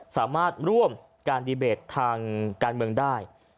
สามารถร่วมการดีเบตทางการเมืองได้